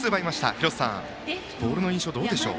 廣瀬さん、ボールの印象どうでしょう？